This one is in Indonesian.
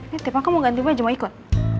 nitip aku mau ganti baju mau ikut